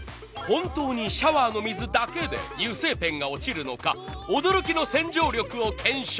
本当にシャワーの水だけで油性ペンが落ちるのか驚きの洗浄力を検証。